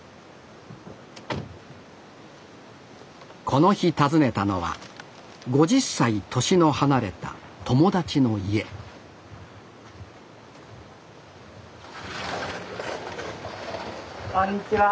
この日訪ねたのは５０歳年の離れた友達の家こんにちは。